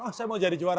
oh saya mau jadi juara